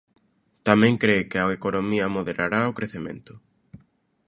Tamén cre que a economía moderará o crecemento.